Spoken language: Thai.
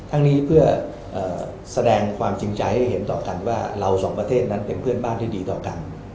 ทั้งนี้เพื่อแสดงความจริงใจให้เห็นต่อกันว่าเราสองประเทศนั้นเป็นเพื่อนบ้านที่ดีต่อกัน